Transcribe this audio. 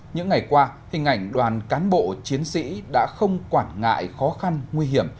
những ngày qua hình ảnh đoàn cán bộ chiến sĩ đã không quản ngại khó khăn nguy hiểm